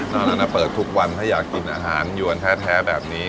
ตอนนั้นเปิดทุกวันถ้าอยากกินอาหารยวนแท้แบบนี้